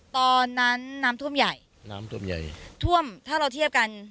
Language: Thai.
ตอนนั้นน้ำท่วมใหญ่น้ำท่วมใหญ่ท่วมถ้าเราเทียบกัน